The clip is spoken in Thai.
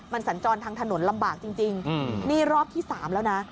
มันสัญจรทางถนนลำบากจริงนี่รอบที่๓แล้วนะ